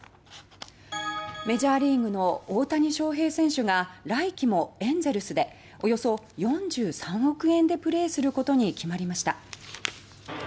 メジャーリーグの大谷翔平選手が来季もエンゼルスでおよそ４３億円でプレーすることに決まりました。